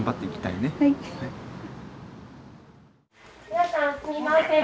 皆さんすいません。